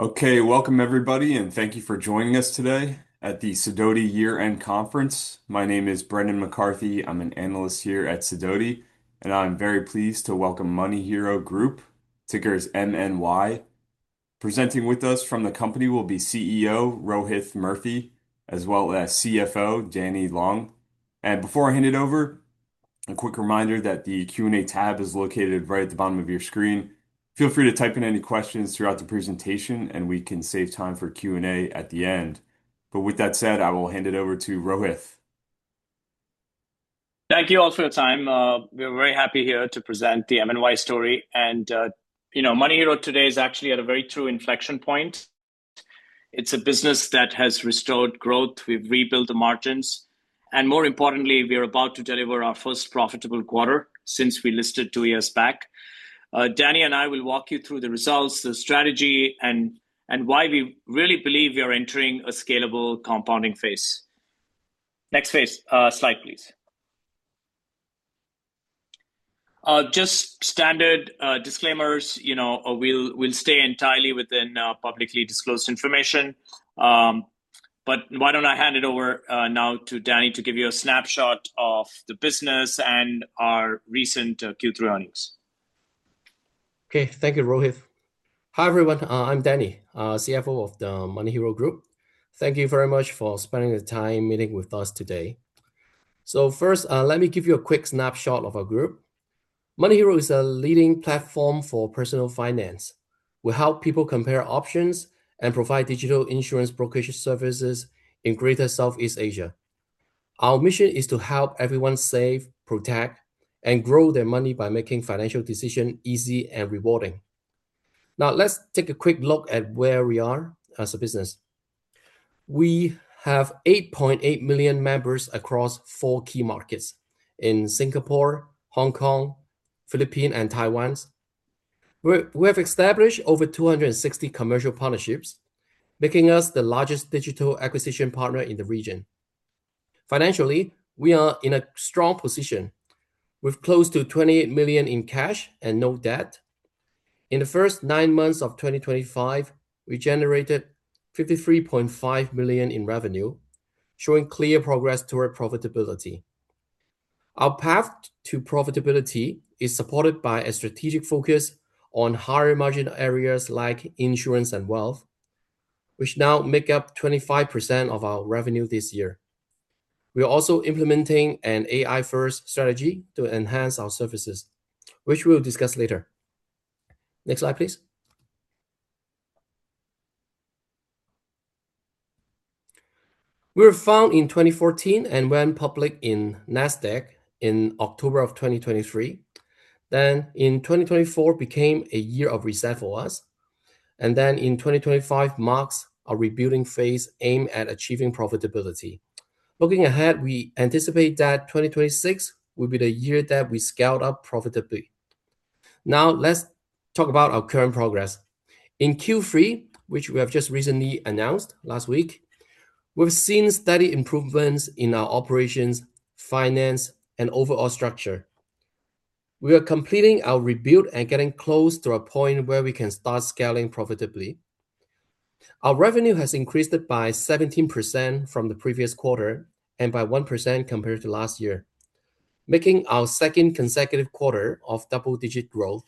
Okay, welcome everybody, and thank you for joining us today at the Sidoti Year-End Conference. My name is Brendan McCarthy. I'm an analyst here at Sidoti, and I'm very pleased to welcome MoneyHero Group, ticker is MNY. Presenting with us from the company will be CEO Rohith Murthy, as well as CFO Danny Leung. And before I hand it over, a quick reminder that the Q&A tab is located right at the bottom of your screen. Feel free to type in any questions throughout the presentation, and we can save time for Q&A at the end. But with that said, I will hand it over to Rohith. Thank you all for your time. We're very happy here to present the MNY story, and you know, MoneyHero today is actually at a very true inflection point. It's a business that has restored growth. We've rebuilt the margins, and more importantly, we are about to deliver our first profitable quarter since we listed two years back. Danny and I will walk you through the results, the strategy, and why we really believe we are entering a scalable compounding phase. Next slide, please. Just standard disclaimers, you know, we'll stay entirely within publicly disclosed information, but why don't I hand it over now to Danny to give you a snapshot of the business and our recent Q3 earnings. Okay, thank you, Rohith. Hi everyone, I'm Danny, CFO of the MoneyHero Group. Thank you very much for spending the time meeting with us today. So first, let me give you a quick snapshot of our group. MoneyHero is a leading platform for personal finance. We help people compare options and provide digital insurance brokerage services in Greater Southeast Asia. Our mission is to help everyone save, protect, and grow their money by making financial decisions easy and rewarding. Now, let's take a quick look at where we are as a business. We have 8.8 million members across four key markets in Singapore, Hong Kong, the Philippines, and Taiwan. We have established over 260 commercial partnerships, making us the largest digital acquisition partner in the region. Financially, we are in a strong position. We've close to $28 million in cash and no debt. In the first nine months of 2025, we generated $53.5 million in revenue, showing clear progress toward profitability. Our path to profitability is supported by a strategic focus on higher margin areas like insurance and wealth, which now make up 25% of our revenue this year. We're also implementing an AI-first strategy to enhance our services, which we'll discuss later. Next slide, please. We were founded in 2014 and went public in Nasdaq in October of 2023. Then in 2024, it became a year of reset for us, and then in 2025 marks a rebuilding phase aimed at achieving profitability. Looking ahead, we anticipate that 2026 will be the year that we scaled up profitably. Now, let's talk about our current progress. In Q3, which we have just recently announced last week, we've seen steady improvements in our operations, finance, and overall structure. We are completing our rebuild and getting close to a point where we can start scaling profitably. Our revenue has increased by 17% from the previous quarter and by 1% compared to last year, making our second consecutive quarter of double-digit growth.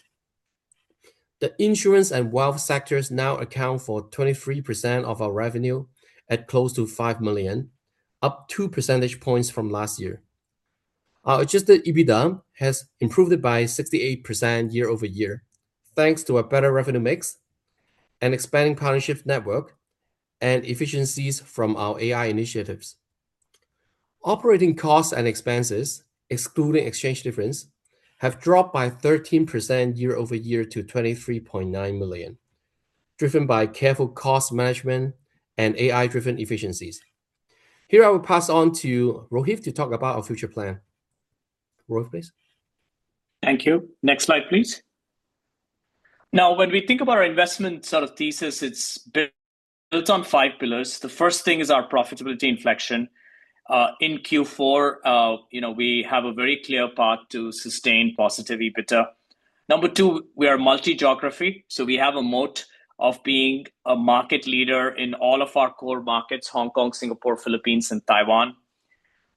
The insurance and wealth sectors now account for 23% of our revenue at close to $5 million, up 2 percentage points from last year. Our Adjusted EBITDA has improved by 68% year over year, thanks to a better revenue mix, an expanding partnership network, and efficiencies from our AI initiatives. Operating costs and expenses, excluding exchange difference, have dropped by 13% year over year to $23.9 million, driven by careful cost management and AI-driven efficiencies. Here, I will pass on to Rohith to talk about our future plan. Rohith, please. Thank you. Next slide, please. Now, when we think about our investment sort of thesis, it's built on five pillars. The first thing is our profitability inflection. In Q4, you know, we have a very clear path to sustain positive EBITDA. Number two, we are multi-geography, so we have a moat of being a market leader in all of our core markets: Hong Kong, Singapore, Philippines, and Taiwan.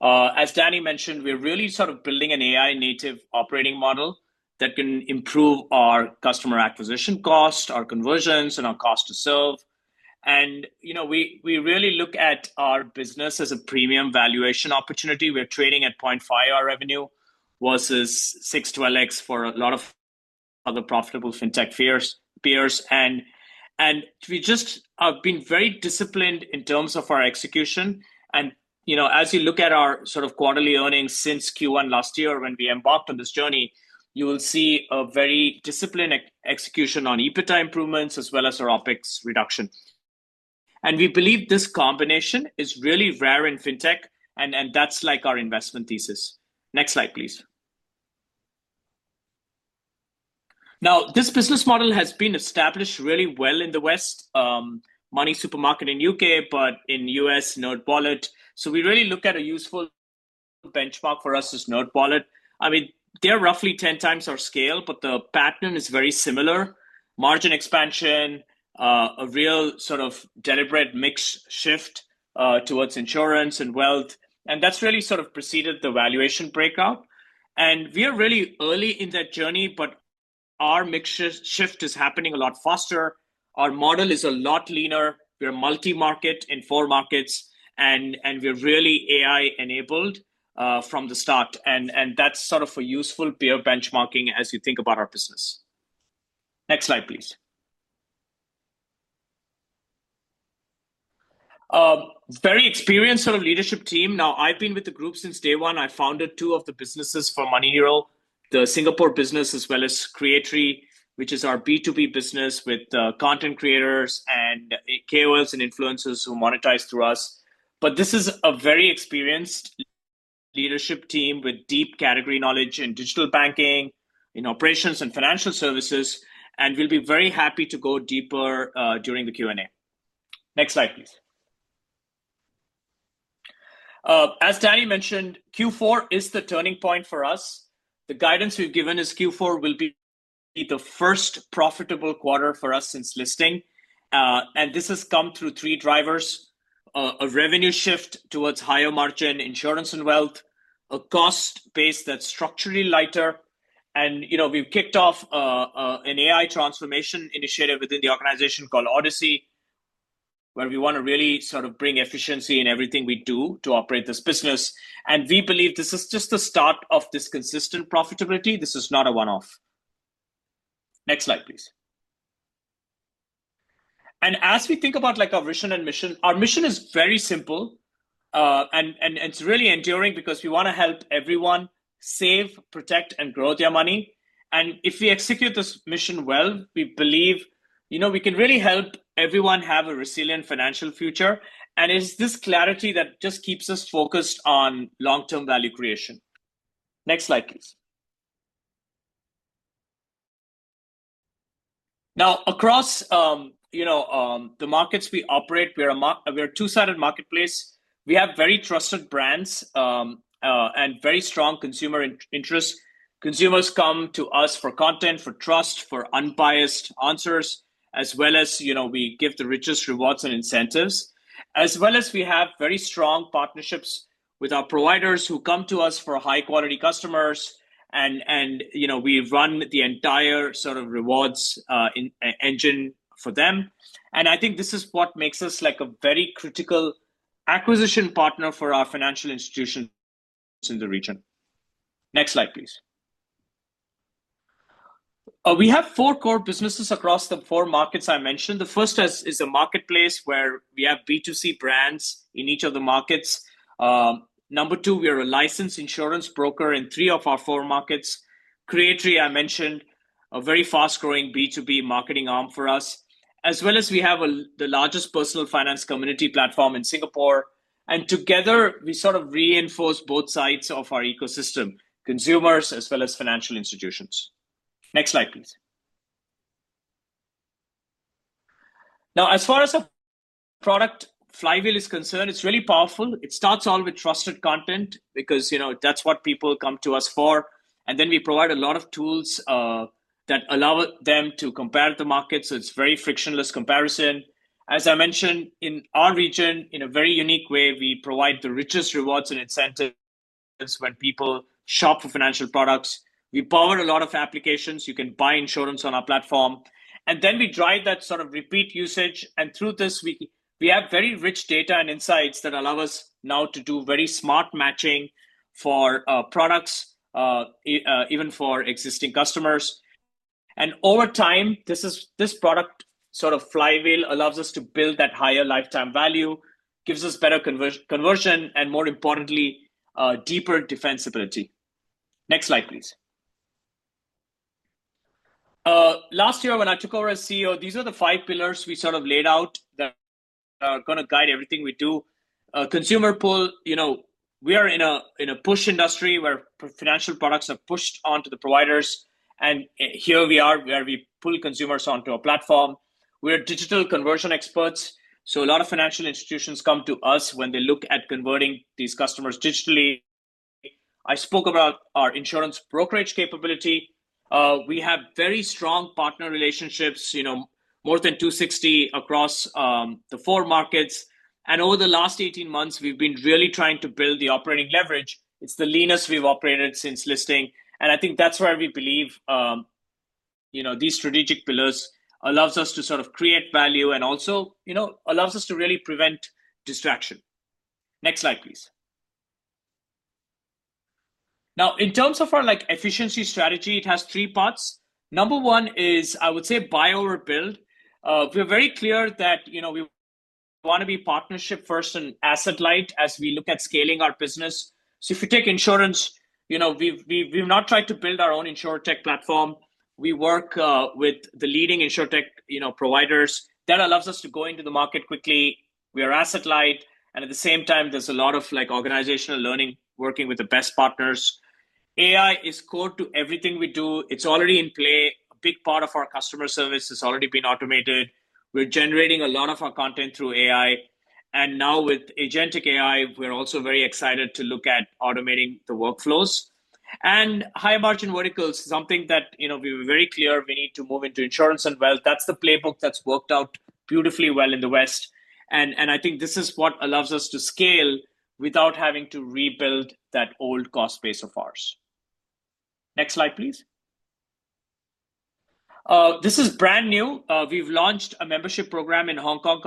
As Danny mentioned, we're really sort of building an AI-native operating model that can improve our customer acquisition cost, our conversions, and our cost to serve. And, you know, we really look at our business as a premium valuation opportunity. We're trading at 0.5x our revenue versus 612x for a lot of other profitable fintech peers. And we just have been very disciplined in terms of our execution. You know, as you look at our sort of quarterly earnings since Q1 last year, when we embarked on this journey, you will see a very disciplined execution on EBITDA improvements as well as our OPEX reduction. We believe this combination is really rare in fintech, and that's like our investment thesis. Next slide, please. Now, this business model has been established really well in the west, MoneySuperMarket in the U.K., but in the U.S., NerdWallet. So we really look at a useful benchmark for us as NerdWallet. I mean, they're roughly 10 times our scale, but the pattern is very similar: margin expansion, a real sort of deliberate mix shift towards insurance and wealth. And that's really sort of preceded the valuation breakout. We are really early in that journey, but our mix shift is happening a lot faster. Our model is a lot leaner. We're multi-market in four markets, and we're really AI-enabled from the start. And that's sort of a useful peer benchmarking as you think about our business. Next slide, please. Very experienced sort of leadership team. Now, I've been with the group since day one. I founded two of the businesses for MoneyHero: the Singapore business, as well as Creatory, which is our B2B business with content creators and KOLs and influencers who monetize through us. But this is a very experienced leadership team with deep category knowledge in digital banking, in operations and financial services, and we'll be very happy to go deeper during the Q&A. Next slide, please. As Danny mentioned, Q4 is the turning point for us. The guidance we've given is Q4 will be the first profitable quarter for us since listing. This has come through three drivers: a revenue shift towards higher margin, insurance and wealth, a cost base that's structurally lighter. And, you know, we've kicked off an AI transformation initiative within the organization called Odyssey, where we want to really sort of bring efficiency in everything we do to operate this business. And we believe this is just the start of this consistent profitability. This is not a one-off. Next slide, please. And as we think about like our vision and mission, our mission is very simple, and it's really enduring because we want to help everyone save, protect, and grow their money. And if we execute this mission well, we believe, you know, we can really help everyone have a resilient financial future. And it's this clarity that just keeps us focused on long-term value creation. Next slide, please. Now, across, you know, the markets we operate, we're a two-sided marketplace. We have very trusted brands and very strong consumer interests. Consumers come to us for content, for trust, for unbiased answers, as well as, you know, we give the richest rewards and incentives. As well as we have very strong partnerships with our providers who come to us for high-quality customers. And, you know, we run the entire sort of rewards engine for them. And I think this is what makes us like a very critical acquisition partner for our financial institutions in the region. Next slide, please. We have four core businesses across the four markets I mentioned. The first is a marketplace where we have B2C brands in each of the markets. Number two, we are a licensed insurance broker in three of our four markets. Creatory, I mentioned, a very fast-growing B2B marketing arm for us, as well as we have the largest personal finance community platform in Singapore, and together, we sort of reinforce both sides of our ecosystem: consumers as well as financial institutions. Next slide, please. Now, as far as our product flywheel is concerned, it's really powerful. It starts all with trusted content because, you know, that's what people come to us for, and then we provide a lot of tools that allow them to compare the markets, so it's very frictionless comparison. As I mentioned, in our region, in a very unique way, we provide the richest rewards and incentives when people shop for financial products. We power a lot of applications. You can buy insurance on our platform, and then we drive that sort of repeat usage. And through this, we have very rich data and insights that allow us now to do very smart matching for products, even for existing customers. And over time, this product sort of flywheel allows us to build that higher lifetime value, gives us better conversion, and more importantly, deeper defensibility. Next slide, please. Last year, when I took over as CEO, these are the five pillars we sort of laid out that are going to guide everything we do. Consumer pull, you know, we are in a push industry where financial products are pushed onto the providers. And here we are where we pull consumers onto a platform. We are digital conversion experts. So a lot of financial institutions come to us when they look at converting these customers digitally. I spoke about our insurance brokerage capability. We have very strong partner relationships, you know, more than 260 across the four markets, and over the last 18 months, we've been really trying to build the operating leverage. It's the leanest we've operated since listing, and I think that's where we believe, you know, these strategic pillars allow us to sort of create value and also, you know, allow us to really prevent distraction. Next slide, please. Now, in terms of our efficiency strategy, it has three parts. Number one is, I would say, buy over build. We're very clear that, you know, we want to be partnership-first and asset-light as we look at scaling our business. So if you take insurance, you know, we've not tried to build our own insurtech platform. We work with the leading insurtech, you know, providers. That allows us to go into the market quickly. We are asset-light. And at the same time, there's a lot of like organizational learning working with the best partners. AI is core to everything we do. It's already in play. A big part of our customer service has already been automated. We're generating a lot of our content through AI. And now with Agentic AI, we're also very excited to look at automating the workflows. And high-margin verticals is something that, you know, we were very clear we need to move into insurance and wealth. That's the playbook that's worked out beautifully well in the West. And I think this is what allows us to scale without having to rebuild that old cost base of ours. Next slide, please. This is brand new. We've launched a membership program in Hong Kong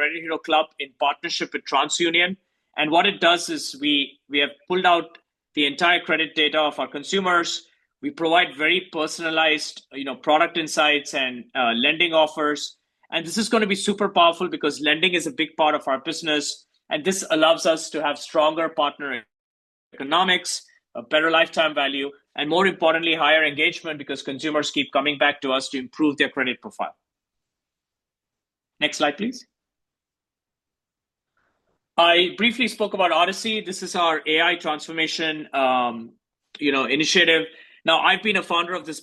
called the CreditHero Club in partnership with TransUnion. And what it does is we have pulled out the entire credit data of our consumers. We provide very personalized, you know, product insights and lending offers. And this is going to be super powerful because lending is a big part of our business. And this allows us to have stronger partner economics, a better lifetime value, and more importantly, higher engagement because consumers keep coming back to us to improve their credit profile. Next slide, please. I briefly spoke about Odyssey. This is our AI transformation, you know, initiative. Now, I've been a founder of this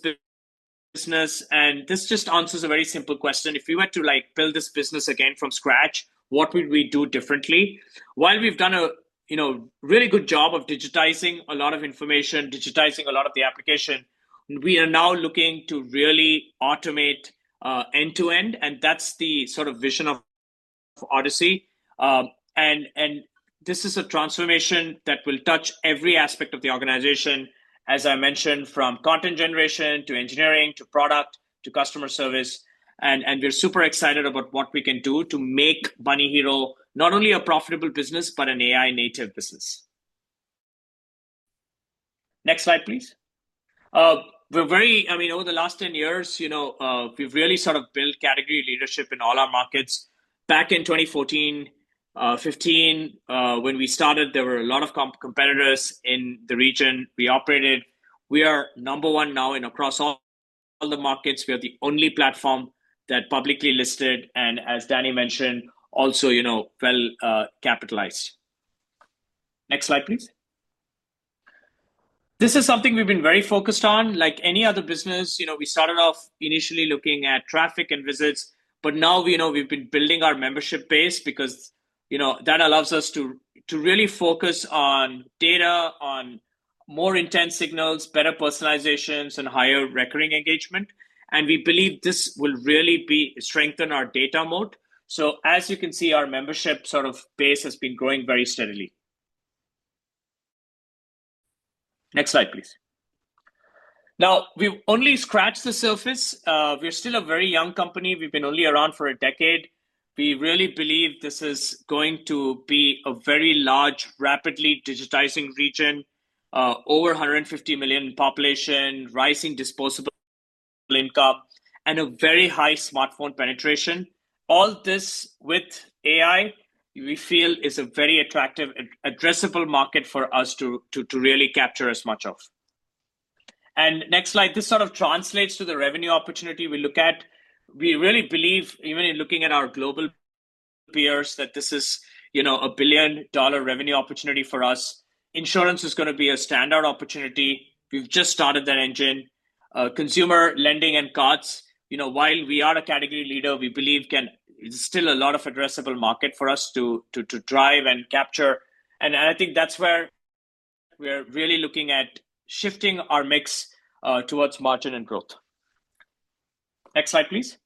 business, and this just answers a very simple question. If we were to like build this business again from scratch, what would we do differently? While we've done a, you know, really good job of digitizing a lot of information, digitizing a lot of the application, we are now looking to really automate end-to-end, and that's the sort of vision of Odyssey. And this is a transformation that will touch every aspect of the organization, as I mentioned, from content generation to engineering to product to customer service. And we're super excited about what we can do to make MoneyHero not only a profitable business, but an AI-native business. Next slide, please. We're very, I mean, over the last 10 years, you know, we've really sort of built category leadership in all our markets. Back in 2014, 2015, when we started, there were a lot of competitors in the region we operated. We are number one now in across all the markets. We are the only platform that publicly listed and, as Danny mentioned, also, you know, well capitalized. Next slide, please. This is something we've been very focused on. Like any other business, you know, we started off initially looking at traffic and visits, but now, you know, we've been building our membership base because, you know, that allows us to really focus on data, on more intense signals, better personalizations, and higher recurring engagement, and we believe this will really strengthen our data moat, so as you can see, our membership sort of base has been growing very steadily. Next slide, please. Now, we've only scratched the surface. We're still a very young company. We've been only around for a decade. We really believe this is going to be a very large, rapidly digitizing region, over 150 million population, rising disposable income, and a very high smartphone penetration. All this with AI, we feel, is a very attractive, addressable market for us to really capture as much of. And next slide, this sort of translates to the revenue opportunity we look at. We really believe, even in looking at our global peers, that this is, you know, a billion-dollar revenue opportunity for us. Insurance is going to be a standout opportunity. We've just started that engine. Consumer lending and cards, you know, while we are a category leader, we believe can still be a lot of addressable market for us to drive and capture. And I think that's where we're really looking at shifting our mix towards margin and growth. Next slide, please.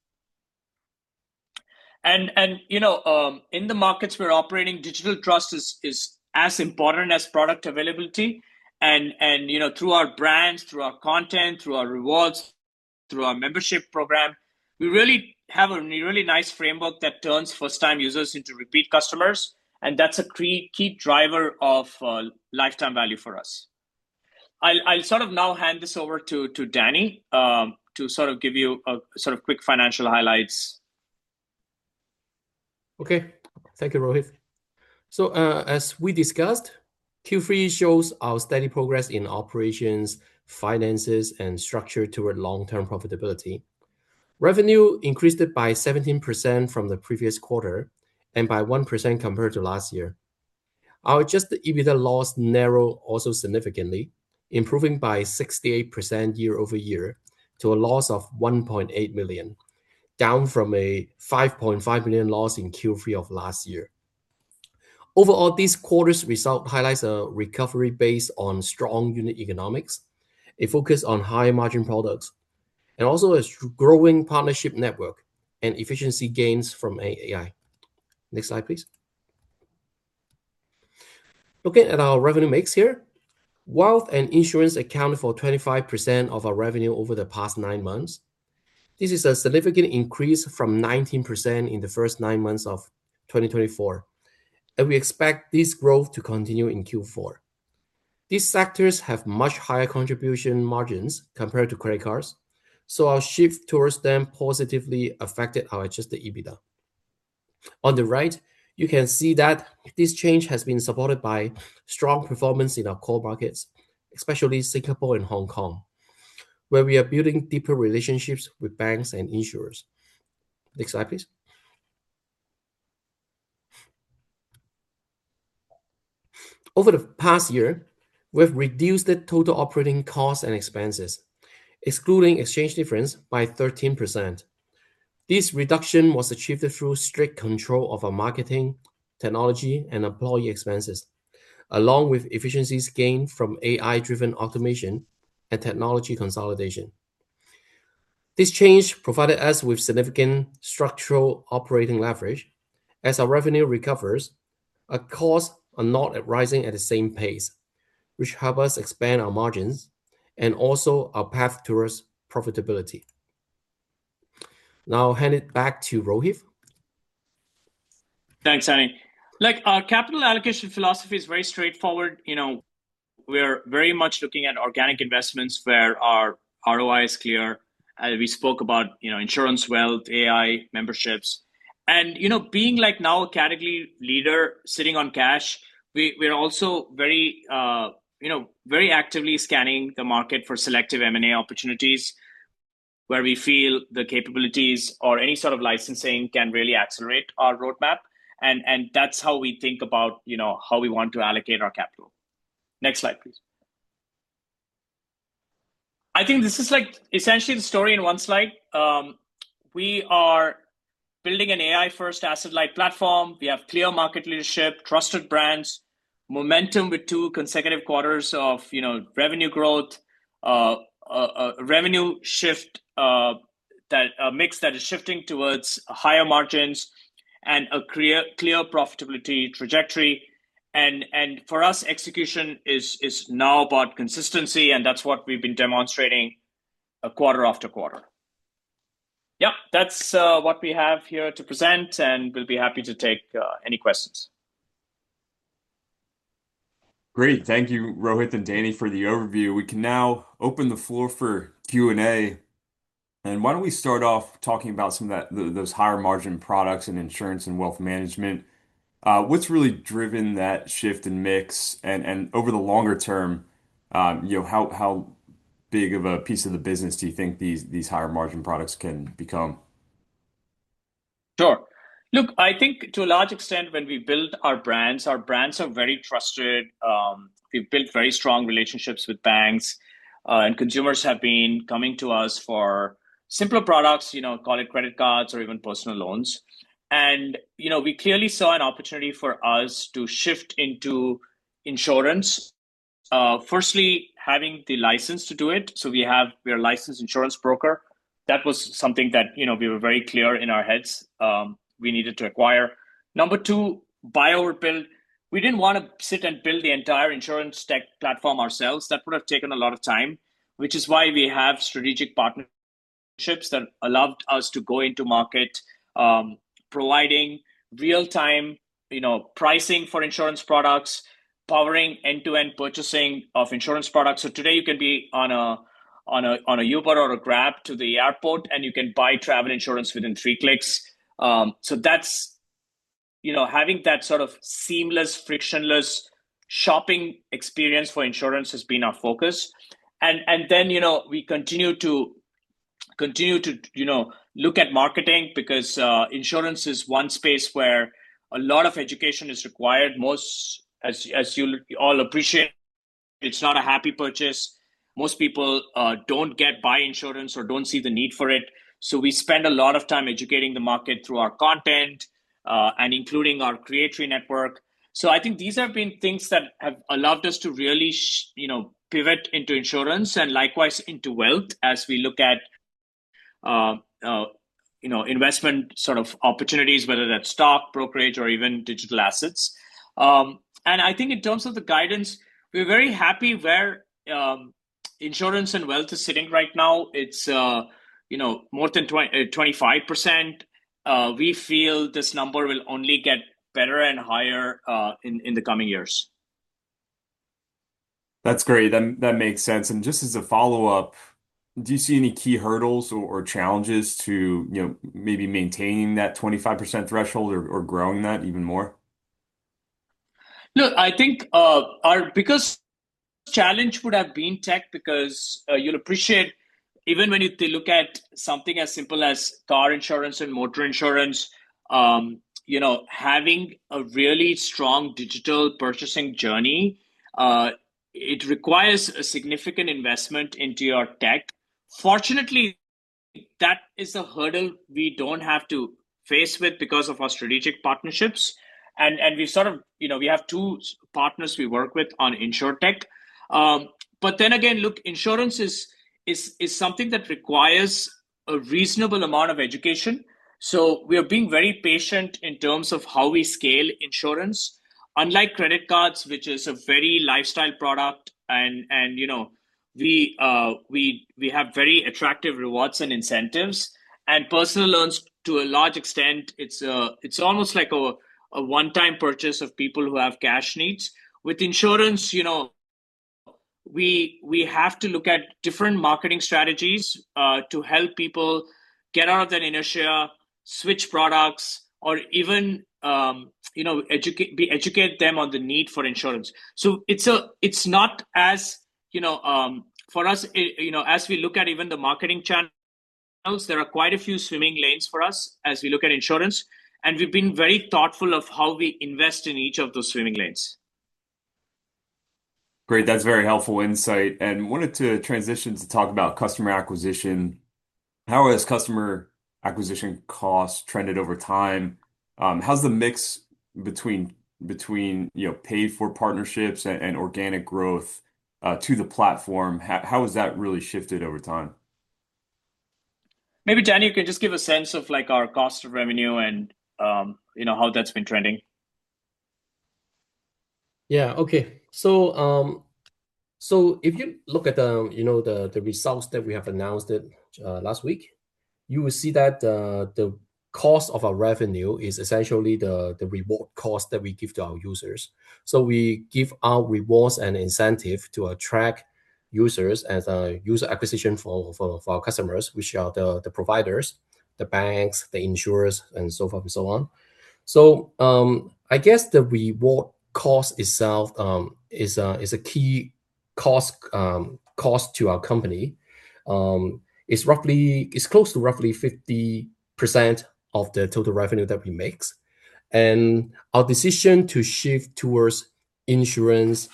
And, you know, in the markets we're operating, digital trust is as important as product availability. You know, through our brands, through our content, through our rewards, through our membership program, we really have a really nice framework that turns first-time users into repeat customers. That's a key driver of lifetime value for us. I'll sort of now hand this over to Danny to sort of give you a sort of quick financial highlights. Okay. Thank you, Rohith. As we discussed, Q3 shows our steady progress in operations, finances, and structure toward long-term profitability. Revenue increased by 17% from the previous quarter and by 1% compared to last year. Our Adjusted EBITDA loss narrowed also significantly, improving by 68% year over year to a loss of $1.8 million, down from a $5.5 million loss in Q3 of last year. Overall, this quarter's result highlights a recovery based on strong unit economics, a focus on high-margin products, and also a growing partnership network and efficiency gains from AI. Next slide, please. Looking at our revenue mix here, wealth and insurance account for 25% of our revenue over the past nine months. This is a significant increase from 19% in the first nine months of 2024. And we expect this growth to continue in Q4. These sectors have much higher contribution margins compared to credit cards. So our shift towards them positively affected our adjusted EBITDA. On the right, you can see that this change has been supported by strong performance in our core markets, especially Singapore and Hong Kong, where we are building deeper relationships with banks and insurers. Next slide, please. Over the past year, we have reduced the total operating costs and expenses, excluding exchange difference, by 13%. This reduction was achieved through strict control of our marketing, technology, and employee expenses, along with efficiencies gained from AI-driven automation and technology consolidation. This change provided us with significant structural operating leverage. As our revenue recovers, our costs are not rising at the same pace, which helps us expand our margins and also our path towards profitability. Now, I'll hand it back to Rohith. Thanks, Danny. Look, our capital allocation philosophy is very straightforward. You know, we're very much looking at organic investments where our ROI is clear. And we spoke about, you know, insurance, wealth, AI, memberships. And, you know, being like now a category leader sitting on cash, we're also very, you know, very actively scanning the market for selective M&A opportunities where we feel the capabilities or any sort of licensing can really accelerate our roadmap. And that's how we think about, you know, how we want to allocate our capital. Next slide, please. I think this is like essentially the story in one slide. We are building an AI-first asset-light platform. We have clear market leadership, trusted brands, momentum with two consecutive quarters of, you know, revenue growth, a revenue shift, a mix that is shifting towards higher margins and a clear profitability trajectory. And for us, execution is now about consistency. And that's what we've been demonstrating quarter after quarter. Yeah, that's what we have here to present. And we'll be happy to take any questions. Great. Thank you, Rohith and Danny, for the overview. We can now open the floor for Q&A. And why don't we start off talking about some of those higher margin products and insurance and wealth management? What's really driven that shift in mix? And over the longer term, you know, how big of a piece of the business do you think these higher margin products can become? Sure. Look, I think to a large extent, when we build our brands, our brands are very trusted. We've built very strong relationships with banks. And consumers have been coming to us for simpler products, you know, call it credit cards or even personal loans. And, you know, we clearly saw an opportunity for us to shift into insurance. Firstly, having the license to do it. So we have a licensed insurance broker. That was something that, you know, we were very clear in our heads we needed to acquire. Number two, buy over build. We didn't want to sit and build the entire insurance tech platform ourselves. That would have taken a lot of time, which is why we have strategic partnerships that allowed us to go into market, providing real-time, you know, pricing for insurance products, powering end-to-end purchasing of insurance products, so today, you can be on a Uber or a Grab to the airport, and you can buy travel insurance within three clicks, so that's, you know, having that sort of seamless, frictionless shopping experience for insurance has been our focus, and then, you know, we continue to, you know, look at marketing because insurance is one space where a lot of education is required. Most, as you all appreciate, it's not a happy purchase. Most people don't get buy insurance or don't see the need for it, so we spend a lot of time educating the market through our content and including our creator network. So I think these have been things that have allowed us to really, you know, pivot into insurance and likewise into wealth as we look at, you know, investment sort of opportunities, whether that's stock brokerage, or even digital assets. And I think in terms of the guidance, we're very happy where insurance and wealth is sitting right now. It's, you know, more than 25%. We feel this number will only get better and higher in the coming years. That's great. That makes sense. And just as a follow-up, do you see any key hurdles or challenges to, you know, maybe maintaining that 25% threshold or growing that even more? Look, I think our biggest challenge would have been tech because you'll appreciate even when you look at something as simple as car insurance and motor insurance, you know, having a really strong digital purchasing journey. It requires a significant investment into your tech. Fortunately, that is a hurdle we don't have to face with because of our strategic partnerships, and we sort of, you know, we have two partners we work with on insurtech, but then again, look, insurance is something that requires a reasonable amount of education, so we are being very patient in terms of how we scale insurance. Unlike credit cards, which is a very lifestyle product, and, you know, we have very attractive rewards and incentives and personal loans to a large extent. It's almost like a one-time purchase of people who have cash needs. With insurance, you know, we have to look at different marketing strategies to help people get out of that inertia, switch products, or even, you know, be educated on the need for insurance. So it's not as, you know, for us, you know, as we look at even the marketing channels, there are quite a few swimming lanes for us as we look at insurance. And we've been very thoughtful of how we invest in each of those swimming lanes. Great. That's very helpful insight. And I wanted to transition to talk about customer acquisition. How has customer acquisition cost trended over time? How's the mix between, you know, paid-for partnerships and organic growth to the platform? How has that really shifted over time? Maybe Danny, you can just give a sense of like our cost of revenue and, you know, how that's been trending. Yeah. Okay. So if you look at, you know, the results that we have announced last week, you will see that the cost of our revenue is essentially the reward cost that we give to our users. So we give our rewards and incentive to attract users as a user acquisition for our customers, which are the providers, the banks, the insurers, and so forth and so on. So I guess the reward cost itself is a key cost to our company. It's close to roughly 50% of the total revenue that we make. And our decision to shift towards insurance,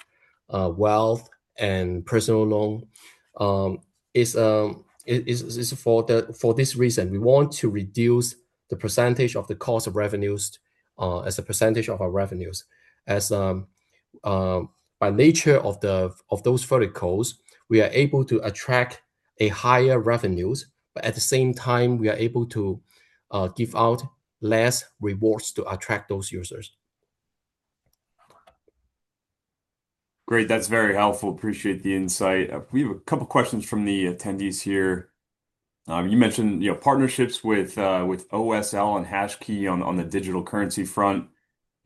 wealth, and personal loan is for this reason. We want to reduce the percentage of the cost of revenues as a percentage of our revenues. As by nature of those verticals, we are able to attract higher revenues, but at the same time, we are able to give out less rewards to attract those users. Great. That's very helpful. Appreciate the insight. We have a couple of questions from the attendees here. You mentioned, you know, partnerships with OSL and HashKey on the digital currency front.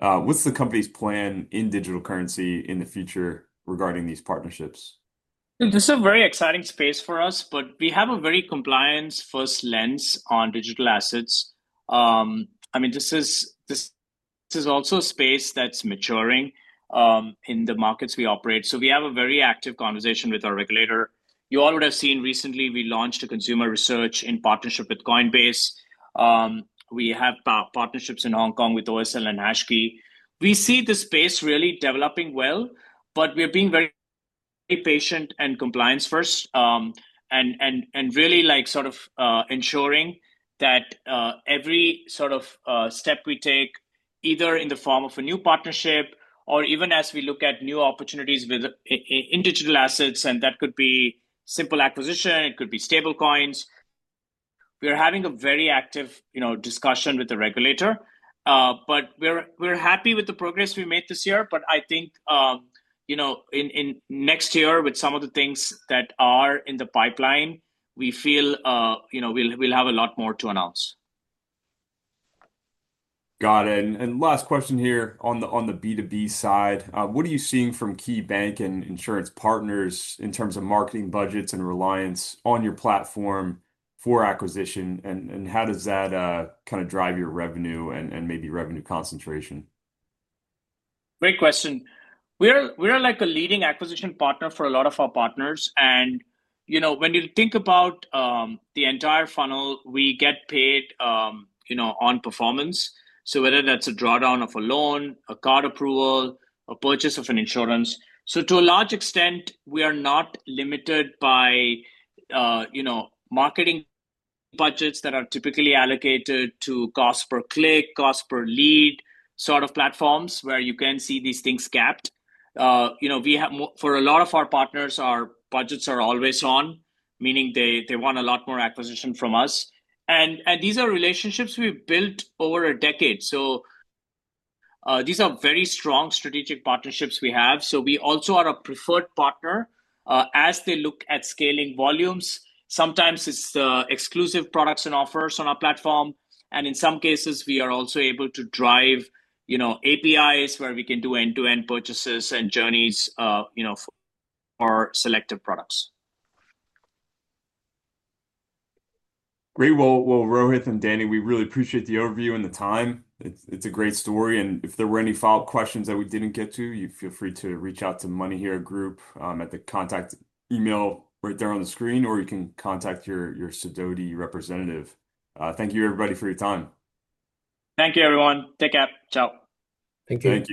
What's the company's plan in digital currency in the future regarding these partnerships? This is a very exciting space for us, but we have a very compliance-first lens on digital assets. I mean, this is also a space that's maturing in the markets we operate. So we have a very active conversation with our regulator. You all would have seen recently we launched a consumer research in partnership with Coinbase. We have partnerships in Hong Kong with OSL and HashKey. We see the space really developing well, but we have been very patient and compliance-first and really like sort of ensuring that every sort of step we take, either in the form of a new partnership or even as we look at new opportunities in digital assets, and that could be simple acquisition, it could be stablecoins. We are having a very active, you know, discussion with the regulator, but we're happy with the progress we made this year. But I think, you know, in next year with some of the things that are in the pipeline, we feel, you know, we'll have a lot more to announce. Got it. And last question here on the B2B side. What are you seeing from key bank and insurance partners in terms of marketing budgets and reliance on your platform for acquisition? And how does that kind of drive your revenue and maybe revenue concentration? Great question. We are like a leading acquisition partner for a lot of our partners. And, you know, when you think about the entire funnel, we get paid, you know, on performance. So whether that's a drawdown of a loan, a card approval, a purchase of an insurance. So to a large extent, we are not limited by, you know, marketing budgets that are typically allocated to cost per click, cost per lead sort of platforms where you can see these things gapped. You know, for a lot of our partners, our budgets are always on, meaning they want a lot more acquisition from us. And these are relationships we've built over a decade. So these are very strong strategic partnerships we have. So we also are a preferred partner as they look at scaling volumes. Sometimes it's exclusive products and offers on our platform. And in some cases, we are also able to drive, you know, APIs where we can do end-to-end purchases and journeys, you know, for selective products. Great. Well, Rohith and Danny, we really appreciate the overview and the time. It's a great story. And if there were any follow-up questions that we didn't get to, you feel free to reach out to MoneyHero Group at the contact email right there on the screen, or you can contact your Sidoti representative. Thank you, everybody, for your time. Thank you, everyone. Take care. Ciao. Thank you.